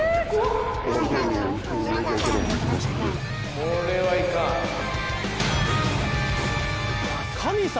これはいかん。